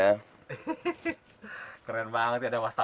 keren banget ini ada wastafel